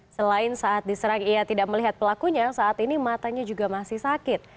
selain saat diserang ia tidak melihat pelakunya saat ini matanya juga masih sakit